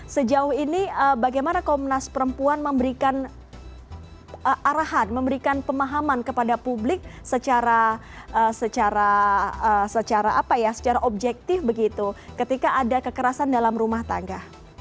sejauh ini bagaimana komnas perempuan memberikan arahan memberikan pemahaman kepada publik secara objektif begitu ketika ada kekerasan dalam rumah tangga